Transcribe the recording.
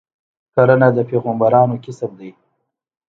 کرنه د پیغمبرانو کسب دی.